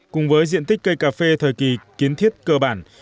cùng với diện tích cây cà phê thời kỳ kiến thiết cơ bản